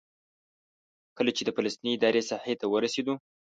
کله چې د فلسطیني ادارې ساحې ته ورسېدو.